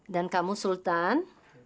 dan kamu sultan